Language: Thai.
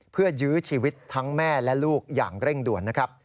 เพื่อยื้อชีวิตทั้งแม่และลูกอย่างเร่งด่วนนะครับ